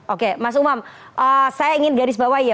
oke mas umam saya ingin garis bawah ya